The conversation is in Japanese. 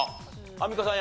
アンミカさん